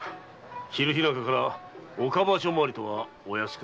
昼日なかから岡場所回りとはお安くないな。